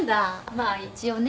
まあ一応ね。